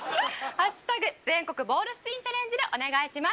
全国ボールスピンチャレンジでお願いします。